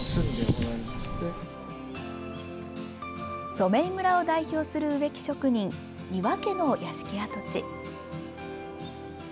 染井村を代表する植木職人丹羽家の屋敷跡地。